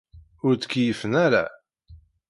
Ur ttkeyyifen ara.